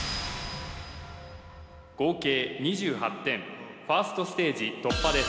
せーのファーストステージ突破です